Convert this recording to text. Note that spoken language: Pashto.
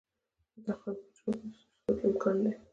د تخار په چاه اب کې د سرو زرو لوی کان دی.